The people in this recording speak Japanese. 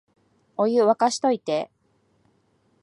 お湯、沸かしといて